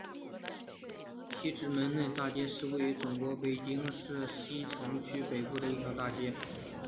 西直门内大街是位于中国北京市西城区北部的一条大街。